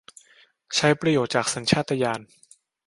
ใช้ประโยชน์จากสัญชาตญาณ